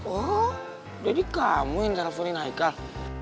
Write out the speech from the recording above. oh jadi kamu yang teleponin haikal